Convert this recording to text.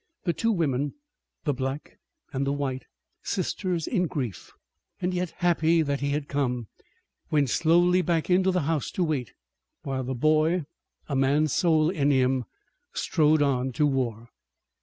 The two women, the black and the white, sisters in grief, and yet happy that he had come, went slowly back into the house to wait, while the boy, a man's soul in him, strode on to war.